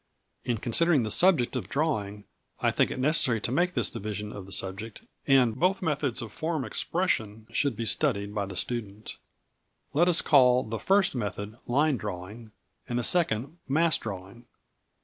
In considering the subject of drawing I think it necessary to make this division of the subject, and both methods of form expression should be studied by the student. Let us call the first method Line Drawing and the second Mass Drawing.